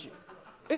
えっ？